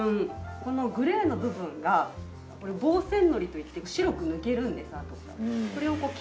このグレーの部分が防染のりといって白く抜けるんですあとから。